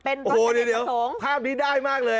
โอ้โหเดี๋ยวภาพนี้ได้มากเลย